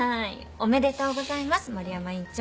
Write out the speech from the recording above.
おめでとうございます森山院長。